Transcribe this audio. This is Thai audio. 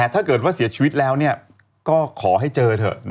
ถ้าเกิดว่าเสียชีวิตแล้วก็ขอให้เจอเถอะ